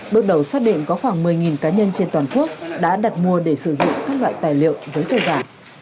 bước đầu xác định có khoảng một mươi cá nhân trên toàn quốc đã đặt mua để sử dụng các loại tài liệu giấy tờ giả